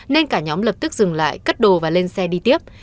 nên cả nhóm lập tức dừng lại cất đồ và lên xe đi tiếp